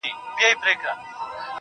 موږ په تيارو كي اوسېدلي يو تيارې خوښـوو_